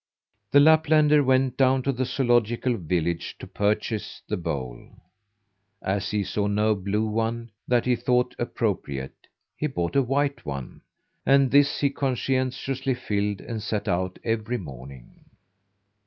The Laplander went down to the zoölogical village to purchase the bowl. As he saw no blue one that he thought appropriate, he bought a white one, and this he conscientiously filled and set out every morning.